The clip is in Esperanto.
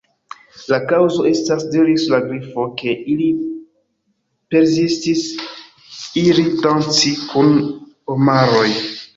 "La kaŭzo estas," diris la Grifo, "ke ili persistis iri danci kun omaroj »